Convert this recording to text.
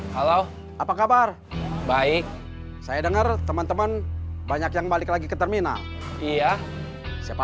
halo apa kabar baik saya dengar teman teman banyak yang balik lagi ke terminal iya siapa